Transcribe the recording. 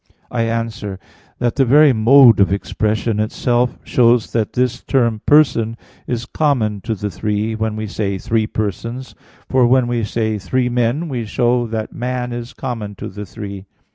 I answer that, The very mode of expression itself shows that this term "person" is common to the three when we say "three persons"; for when we say "three men" we show that "man" is common to the three.